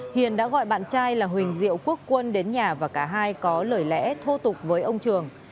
hiền đã gọi bạn trai là huỳnh diệu quốc quân đến nhà và cả hai có lời lẽ thô tục với ông trường